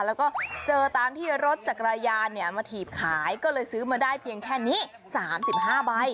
แล้วก็เจอตามที่รถจักรยานมาถีบขายก็เลยซื้อมาได้เพียงแค่นี้๓๕ใบ